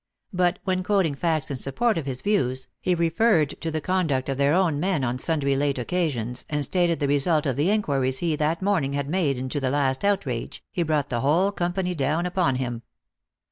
But when quoting facts in support of his views, he referred to the con duct of their own men on sundry late occasions, and stated the result of the inquiries he that morning had made into the last outrage, he brought the whole company down upon him.